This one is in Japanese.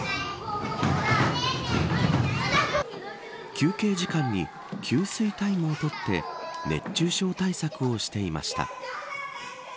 休憩時間に給水タイムを取って熱中症対策をしていました。